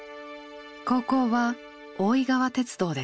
高校は大井川鉄道で通学。